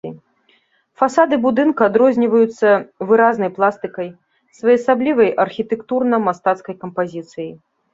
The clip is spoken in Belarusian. Фасады будынка адрозніваюцца выразнай пластыкай, своеасаблівай архітэктурна-мастацкай кампазіцыяй.